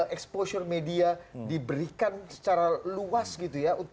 exposure media diberikan secara luas gitu ya